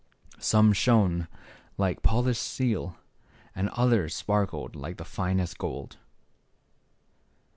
Some shone like polished steel, and others sparkled like the finest gold.